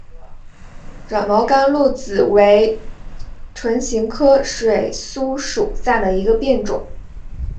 软毛甘露子为唇形科水苏属下的一个变种。